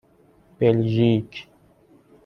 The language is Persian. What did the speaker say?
بلژیک